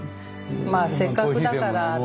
まあせっかくだからって。